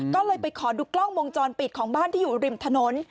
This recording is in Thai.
ก็เลยไปขอดูกล้องวงจรปิดของบ้านที่อยู่ริมถนน